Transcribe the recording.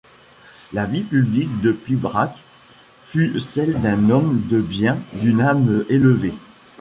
La vie publique de Pibrac fut celle d’un homme de bien, d’une âme élevée.